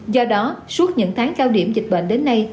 do đó suốt những tháng cao điểm dịch bệnh đến nay